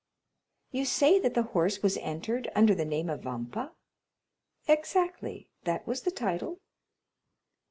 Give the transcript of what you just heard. "You say that the horse was entered under the name of Vampa?" "Exactly; that was the title."